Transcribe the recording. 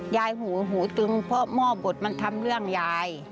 หูหูตึงเพราะหม้อบดมันทำเรื่องยาย